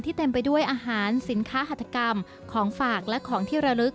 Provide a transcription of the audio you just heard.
เต็มไปด้วยอาหารสินค้าหัตถกรรมของฝากและของที่ระลึก